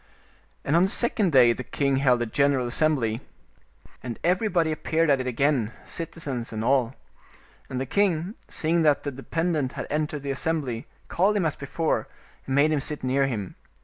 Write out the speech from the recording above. And on the second day the king held a general assembly, 99 Oriental Mystery Stories and everybody appeared at it again, citizens and all. And the king, seeing that the dependent had entered the assem bly, called him as before, and made him sit near him.